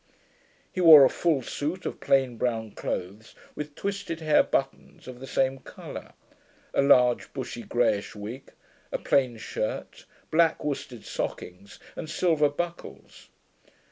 He wore a full suit of plain brown clothes, with twisted hair buttons of the same colour, a large bushy greyish wig, a plain shirt, black worsted stockings, and silver buckles.